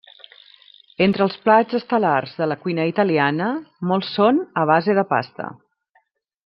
Entre els plats estel·lars de la cuina italiana, molts són a base de pasta.